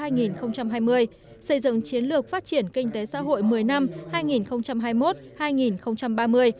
xây dựng chiến lược phát triển kinh tế xã hội một mươi năm hai nghìn hai mươi một hai nghìn ba mươi